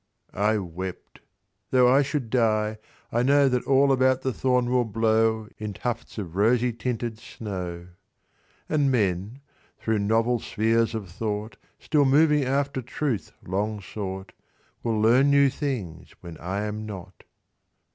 I wept, "Tho' I should die, I know That all about the thorn will blow In tufts of rosy tinted snow; "And men, thro' novel spheres of thought Still moving after truth long sought, Will learn new things when I am not."